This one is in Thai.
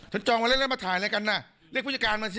ฉันจองมาเล่นมาถ่ายแล้วกันนะเรียกพิจารณามาซิ